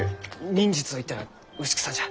忍術といったら牛久さんじゃ。